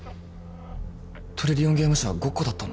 トリリオンゲーム社はごっこだったの？